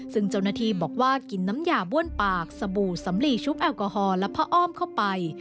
ซึ่งเจ้าหน้าที่บอกว่ากินน้ำยาบ้วนปากสบู่สำลีชุบแอลกอฮอล์และผ้าอ้อมเข้าไป